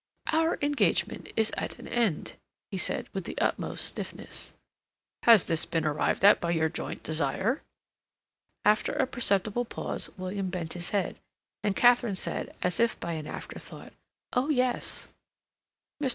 "Our engagement is at an end," he said, with the utmost stiffness. "Has this been arrived at by your joint desire?" After a perceptible pause William bent his head, and Katharine said, as if by an afterthought: "Oh, yes." Mr.